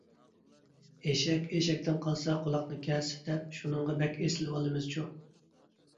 «ئېشەك ئېشەكتىن قالسا قۇلاقنى كەس» دەپ، شۇنىڭغا بەك ئېسىلىۋالىمىزچۇ .